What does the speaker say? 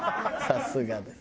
さすがです。